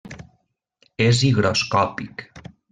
És higroscòpic.